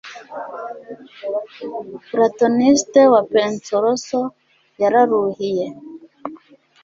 Il Platoniste wa Il Penseroso yararuhiye